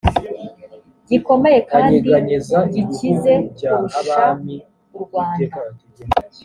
gikomeye kandi gikize kurusha u rwanda